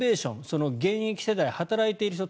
その現役世代、働いている人